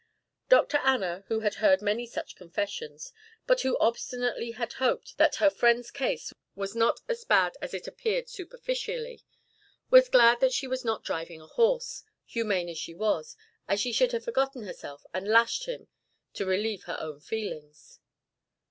Dr. Anna, who had heard many such confessions, but who obstinately had hoped that her friend's case was not as bad as it appeared superficially, was glad that she was not driving a horse; humane as she was, she should have forgotten herself and lashed him to relieve her own feelings.